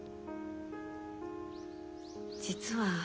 実は。